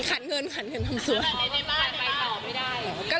ก็อาจจะคือบ้าน